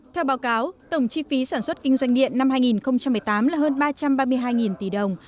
theo báo cáo tổng chi phí sản xuất kinh doanh điện năm hai nghìn một mươi tám là hơn ba trăm ba mươi hai tỷ đồng